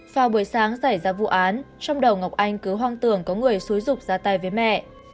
vào buổi sáng xảy ra vụ án trong đầu ngọc anh cứ hoang tưởng có người xúi rục ra tay với mẹ